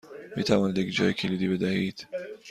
می توانید یک جاکلیدی بدهید؟